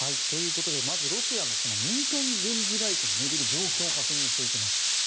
まずロシアの民間軍事会社を巡る状況を確認していきます。